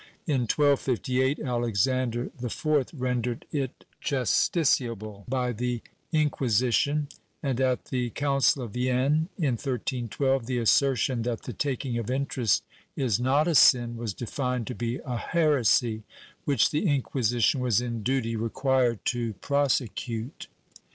In 1258 Alexander IV rendered it justiciable by the Inquisition and, at the Council of Vienne, in 1312, the assertion that the taking of interest is not a sin was defined to be a heresy, which the Inquisition was in duty required to prosecute.